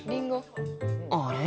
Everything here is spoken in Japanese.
あれ？